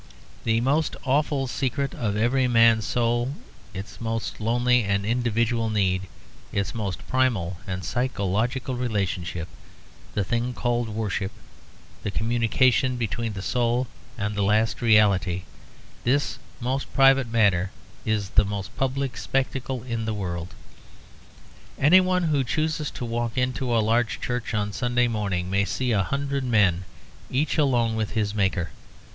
The most awful secret of every man's soul, its most lonely and individual need, its most primal and psychological relationship, the thing called worship, the communication between the soul and the last reality this most private matter is the most public spectacle in the world. Anyone who chooses to walk into a large church on Sunday morning may see a hundred men each alone with his Maker.